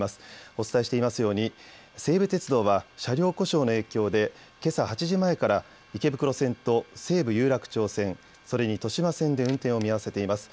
お伝えしていますように西武鉄道は車両故障の影響でけさ８時前から池袋線と西武有楽町線、それに豊島線で運転を見合わせています。